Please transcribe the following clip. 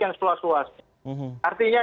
yang suas suasanya artinya